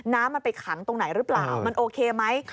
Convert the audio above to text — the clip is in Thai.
น้ำมันไปขังตรงไหนหรือเปล่ามันโอเคไหม